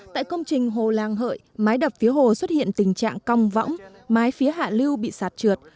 tại công trình hồ làng hợi mái đập phía hồ xuất hiện tình trạng cong võng mái phía hạ lưu bị sạt trượt